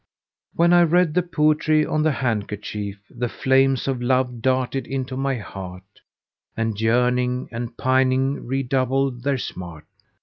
When I read the poetry on the handkerchief the flames of love darted into my heart, and yearning and pining redoubled their smart.